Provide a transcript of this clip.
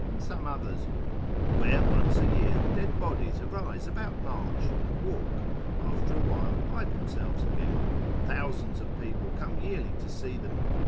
and some others, where once a year dead bodies arise about March, and walk, after awhile hide themselves again: thousands of people come yearly to see them.